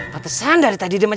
patesan dari tadi dia maju